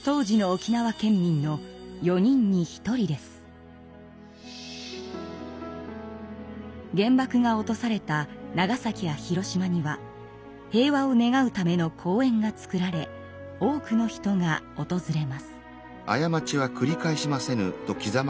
当時の原爆が落とされた長崎や広島には平和を願うための公園がつくられ多くの人がおとずれます。